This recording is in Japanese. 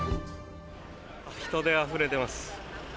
人であふれています。